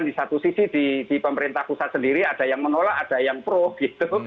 jadi di pemerintah pusat sendiri ada yang menolak ada yang pro gitu